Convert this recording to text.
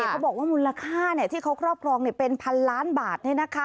เขาบอกว่ามูลค่าที่เขาครอบครองเป็นพันล้านบาท